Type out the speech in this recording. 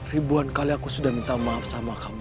ribuan kali aku sudah minta maaf sama kamu